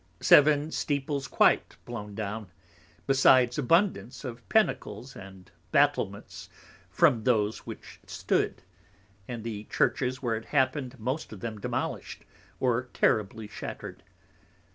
Seven Steeples quite blown down, besides abundance of Pinacles and Battlements from those which stood; and the Churches where it happened most of them Demolish'd, or terribly Shattered.